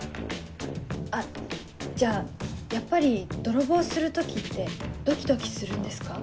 あっじゃあやっぱり泥棒する時ってドキドキするんですか？